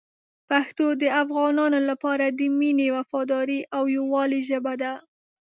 پښتو د افغانانو لپاره د مینې، وفادارۍ او یووالي ژبه ده.